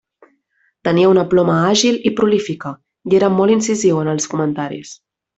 Tenia una ploma àgil i prolífica i era molt incisiu en els comentaris.